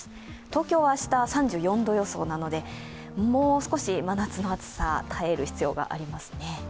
東京は明日３４度予想なので、もう少し真夏の暑さ、耐える必要がありますね。